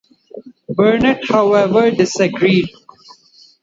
Burnett, however, disagreed.